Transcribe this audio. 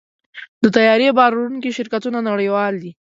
د طیارې بار وړونکي شرکتونه نړیوال دي.